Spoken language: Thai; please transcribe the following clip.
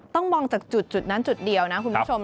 ต้องมองจากจุดนั้นจุดเดียวนะคุณผู้ชม